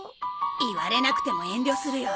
言われなくても遠慮するよ。